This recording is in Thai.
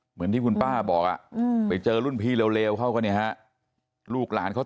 เหมือนที่คุณป้าบอกไปเจอรุ่นพี่เร็วเขาก็เนี่ยฮะลูกหลานเขา